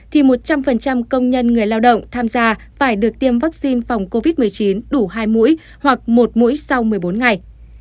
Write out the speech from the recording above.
thì một trăm linh công nhân người lao động tham gia phải được tiêm vaccine phòng covid một mươi chín đủ hai mũi hoặc một mũi sau một mươi bốn ngày